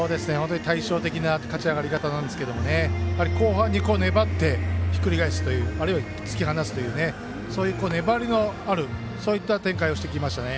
対照的な勝ち上がり方なんですが後半に粘ってひっくり返すというあるいは、突き放すというそういう粘りのあるそういった展開をしてきましたね。